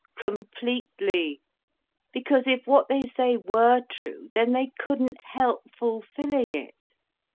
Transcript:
"Completely, because if what they say were true, then they couldn't help fulfilling it.